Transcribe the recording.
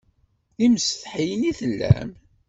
D imsetḥiyen i tellam?